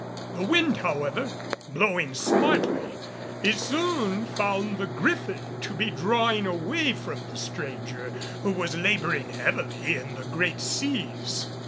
The wind however blowing smartly, he soon found the Griffin to be drawing away from the stranger, who was laboring heavily in the great seas.